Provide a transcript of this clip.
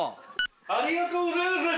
ありがとうございます。